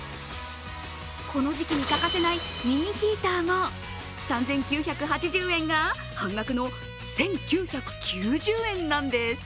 この時期に欠かせないミニヒーターも３９８０円が半額の１９９０円なんです。